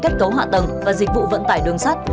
kết cấu hạ tầng và dịch vụ vận tải đường sắt